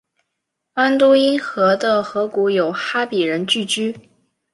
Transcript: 安都因河的河谷有哈比人聚居。